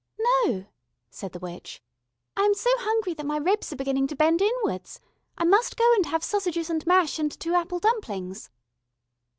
"No," said the witch. "I am so hungry that my ribs are beginning to bend inwards. I must go and have sausages and mash and two apple dumplings."